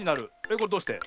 これどうして？